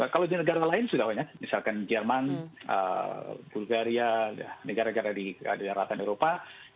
kalau di negara lain sudah banyak misalkan jerman bulgaria negara negara di daratan eropa